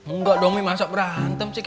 enggak dong mi masa berantem cik